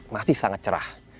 masih sangat cerah